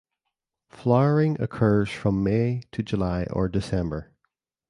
Flowering occurs from May to July or December.